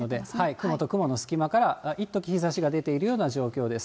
雲と雲の隙間から、いっとき日ざしが出ているような状況です。